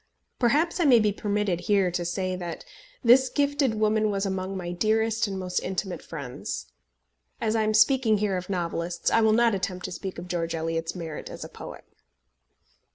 Perhaps I may be permitted here to say, that this gifted woman was among my dearest and most intimate friends. As I am speaking here of novelists, I will not attempt to speak of George Eliot's merit as a poet.